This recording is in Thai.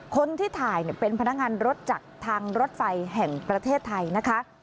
คนที่ถ่ายเป็นพนักงานรถจากทางรถไฟแห่งประเทศไทยนะคะ